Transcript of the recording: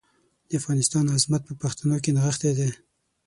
د افغانستان عظمت په پښتنو کې نغښتی دی.